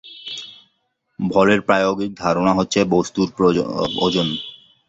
ভরের প্রায়োগিক ধারণা হচ্ছে বস্তুর ওজন।